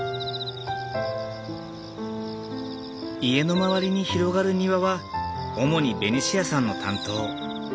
家の周りに広がる庭は主にベニシアさんの担当。